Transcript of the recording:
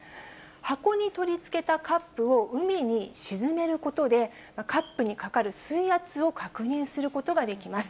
箱に取り付けたカップを海に沈めることで、カップにかかる水圧を確認することができます。